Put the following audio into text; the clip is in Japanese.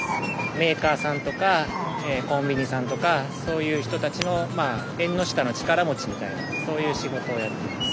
メーカーさんとかコンビニさんとかそういう人たちの縁の下の力持ちみたいなそういう仕事をやってます。